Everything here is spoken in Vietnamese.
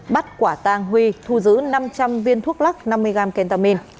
bắt quả tang huy thu giữ năm trăm linh viên thuốc lắc năm mươi g kentamin